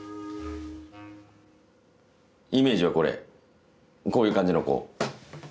イメージはこれこういう感じの子。